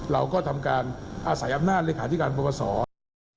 เราก็ทำการอาศัยอำนาจเลยค่ะที่การปรบประสอบ